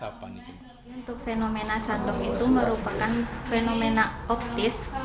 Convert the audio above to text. untuk fenomena sandok itu merupakan fenomena optis